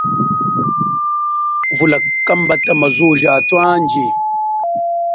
Vula kambata ma zuwo ja athu anji.